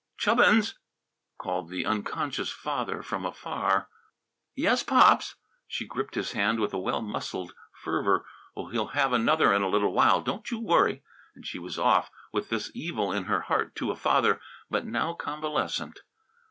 "Chubbins!" called the unconscious father from afar. "Yes, Pops!" She gripped his hand with a well muscled fervour. "Oh, he'll have another in a little while, don't you worry!" And she was off, with this evil in her heart, to a father but now convalescent.